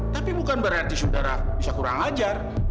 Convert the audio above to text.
tapi bukan berarti saudara bisa kurang ajar